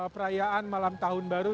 perayaan malam tahun baru